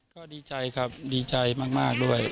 ก็ดีใจครับดีใจมากด้วย